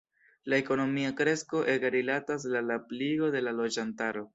La ekonomia kresko ege rilatas la la pliigo de la loĝantaro.